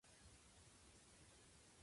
今日は流石に早く帰る。